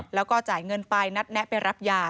แล้วก็จ่ายเงินไปนัดแนะไปรับยา